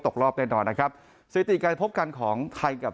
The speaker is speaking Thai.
ตกรอบเรียบร้อยนะครับสวิติการพบกันของไทยกับ